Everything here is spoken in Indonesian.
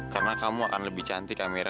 karena kamu akan lebih cantik amira